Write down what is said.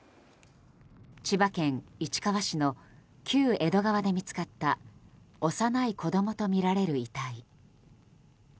千葉県市川市の旧江戸川で見つかった幼い子供とみられる遺体。